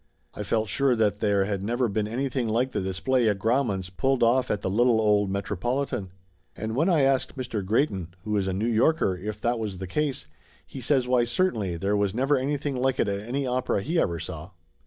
I felt sure that there had never been anything like the display at Grau man's, pulled off at the little old Metropolitan. And when I asked Mr. Greyton, who is a New Yorker, if that was the case, he says why certainly there was never anything like it at any opera he ever saw.